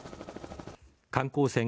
観光船